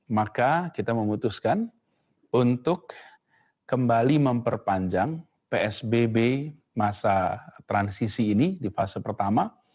maka kita memutuskan untuk kembali memperpanjang psbb masa transisi ini di fase pertama